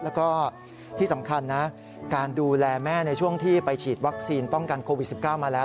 แล้วก็ที่สำคัญนะการดูแลแม่ในช่วงที่ไปฉีดวัคซีนป้องกันโควิด๑๙มาแล้ว